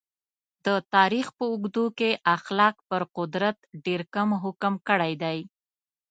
د تاریخ په اوږدو کې اخلاق پر قدرت ډېر کم حکم کړی دی.